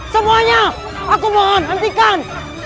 semuanya aku mohon hentikan